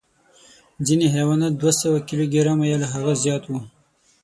ځینې حیوانات دوه سوه کیلو ګرامه یا له هغه زیات وو.